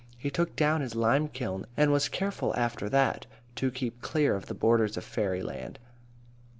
He took down his lime kiln, and was careful after that to keep clear of the borders of fairy land."